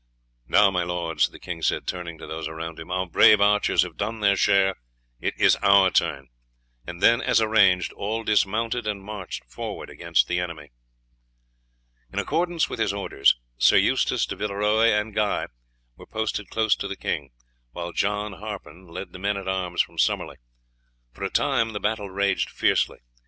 "Now, my lords," the king said, turning to those around him, "our brave archers have done their share; it is our turn;" and then, as arranged, all dismounted and marched forward against the enemy. In accordance with his orders, Sir Eustace de Villeroy and Guy were posted close to the king, while John Harpen led the men at arms from Summerley. For a time the battle raged fiercely.